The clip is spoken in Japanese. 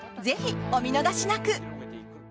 ぜひ、お見逃しなく。